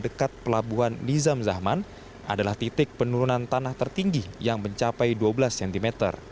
dekat pelabuhan nizam zahman adalah titik penurunan tanah tertinggi yang mencapai dua belas cm